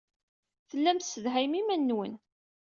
Tellam tessedhayem iman-nwen.